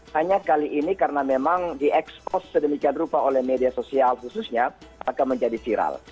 hanya kali ini karena memang diekspos sedemikian rupa oleh media sosial khususnya akan menjadi viral